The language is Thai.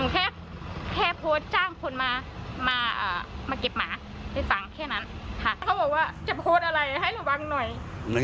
คือเราทำผิดอะไรเหรอเราไม่ได้ไปต่อว่าหน่อยงานไหนเลย